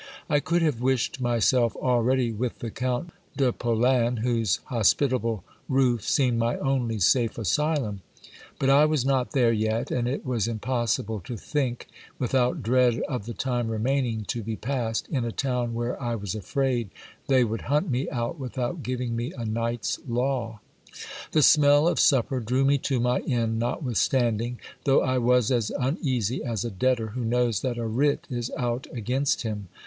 I could have wished myself already with the Count de Polan, whose hospitable roof seemed my only safe asylum. But I was not there yet ; and it was impossible to think without dread of the time remaining to be passed in a town where I was afraid they would hunt me out without giving me a night's law. The smell of supper drew me to my inn notwithstanding; though I was as uneasy as a debtor who knows that a writ is out against him.